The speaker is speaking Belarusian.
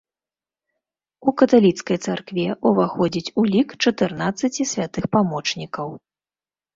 У каталіцкай царкве ўваходзіць у лік чатырнаццаці святых памочнікаў.